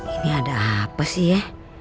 ini ada apa sih ya